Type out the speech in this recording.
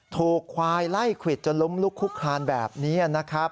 ถูกควายไล่ควิดจนล้มลุกคุกคานแบบนี้นะครับ